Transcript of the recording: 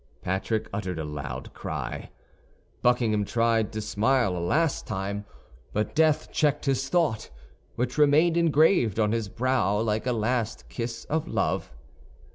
Patrick uttered a loud cry. Buckingham tried to smile a last time; but death checked his thought, which remained engraved on his brow like a last kiss of love.